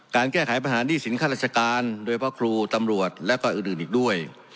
การแก้ไขปัญหาหนี้สินข้าราชการโดยพระครูตำรวจแล้วก็อื่นอีกด้วย